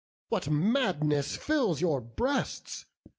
what madness fills your breasts?